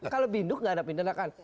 kalau biduk gak ada pendidakan